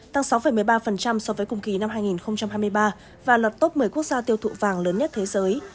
tăng sáu một mươi ba so với cùng kỳ năm hai nghìn hai mươi ba và lọt top một mươi quốc gia tiêu thụ vàng lớn nhất thế giới